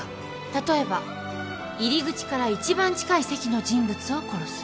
例えば入り口から一番近い席の人物を殺す。